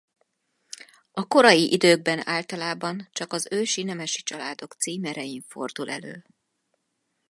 A korai időkben általában csak az ősi nemesi családok címerein fordul elő.